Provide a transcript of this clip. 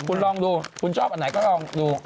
คุณลองดูคุณชอบอันไหนก็ลองดู